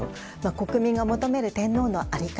国民が求める天皇の在り方